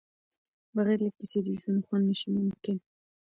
بغیر له کیسې د ژوند خوند نشي ممکن.